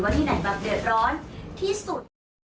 ที่ไหนแบบเดือดร้อนที่สุด